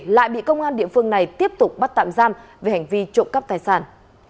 lại bị công an địa phương này tiếp tục bắt tạm giam về hành vi trộm cắp tài sản